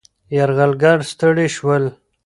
یرغلګر ستړي شول.